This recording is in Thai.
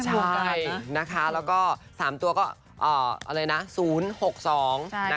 ถูกกันนะใช่แล้วก็๓ตัวก็๐๖๒นะคะ